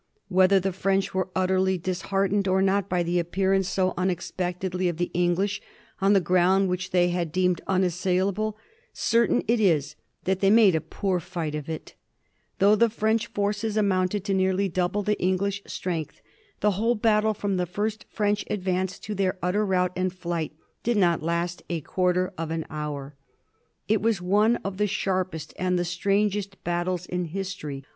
Whether the French were utterly disheart ened or not by the appearance so unexpectedly of the VOL. II. — 13 290 A BISTORT OF THE FOUR GEORGEa GH.XL. English on the ground which they had deemed unassaila ble, certain is it that they made a poor fight of it. Though the French forces amounted to nearly double the English strength, the whole battle, from the first French advance to their utter rout and flight, did not last a quarter of an hour. It was one of the sharpest and the strangest bat tles in history.